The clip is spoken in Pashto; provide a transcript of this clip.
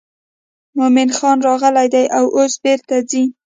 مومن خان راغلی دی او اوس بیرته ځي.